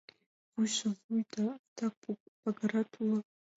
Вуйжо — вуй да, адак пагарат уло.